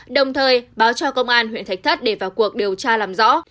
đồng thời báo cho công an huyện thạch thất để vào cuộc điều tra làm rõ